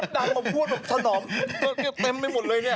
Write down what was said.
โมดดังแต่พูดเลยเต็มไม่หมดเลย